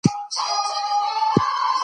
دا یو تلپاتې پیغام دی.